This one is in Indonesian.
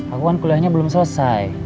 aku kan kuliahnya belum selesai